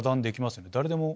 誰でも。